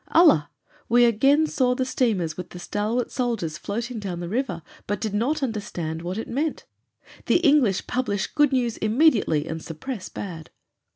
Allah! We again saw the steamers with the stalwart soldiers floating down the river, but did not understand what it meant. The English publish good news immediately and suppress bad.